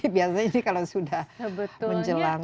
biasanya ini kalau sudah menjelang